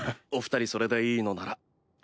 お２人それでいいのなら。